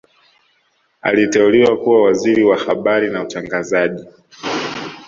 aliteuliwa kuwa Waziri wa habari na utangazaji